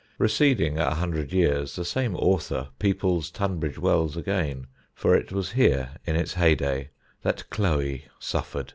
Receding a hundred years, the same author peoples Tunbridge Wells again, for it was here, in its heyday, that Chloe suffered.